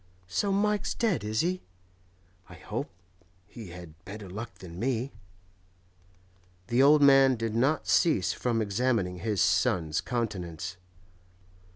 So Mike's dead, is he? I hope he had better luck than me.' The old man did not cease from examining his son's countenance.